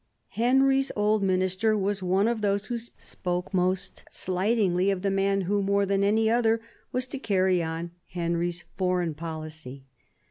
Henry's old Minister was one of those who spoke most slightingly of the man who, more than any other, was to carry on Henry's foreign policy.